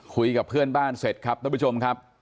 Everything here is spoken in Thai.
คุยกับเพื่อนบ้านเสร็จครับท่านผู้ชมครับ